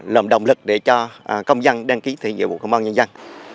làm động lực để cho công dân đăng ký thiện nghĩa vụ công an nhân dân